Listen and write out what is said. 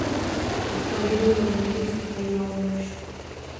د خپرېدو له نېټې څخـه یـوه میاشـت